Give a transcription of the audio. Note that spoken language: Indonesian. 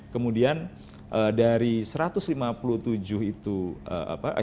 kemudian dari satu ratus lima puluh tujuh itu